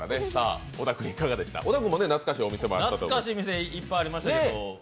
懐かしい店いっぱいありましたけど